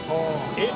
えっ！